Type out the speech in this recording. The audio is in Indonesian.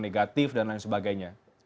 negatif dan lain sebagainya